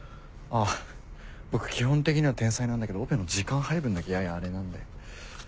あぁ僕基本的には天才なんだけどオペの時間配分だけややあれなんで。